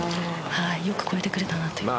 よく越えてくれたなと。